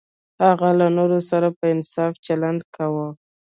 هغه له نورو سره په انصاف چلند کاوه.